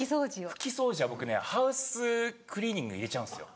拭き掃除は僕ねハウスクリーニング入れちゃうんですよ。